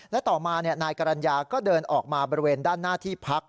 และต่อมานายกรรณญาก็เดินออกมาบริเวณด้านหน้าที่พัก